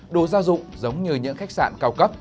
đồ gia dụng giống như những khách sạn cao cấp